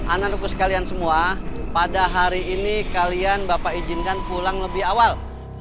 anak repus kalian semua pada hari ini kalian bapak izinkan pulang lebih awal